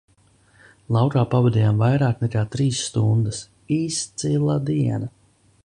Laukā pavadījām vairāk nekā trīs stundas. Izcila diena!